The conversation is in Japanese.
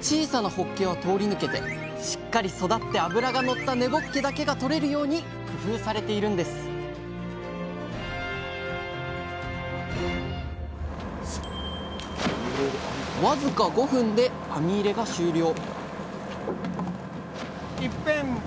小さなほっけは通り抜けてしっかり育って脂がのった根ぼっけだけがとれるように工夫されているんですわずか５分で網入れが終了！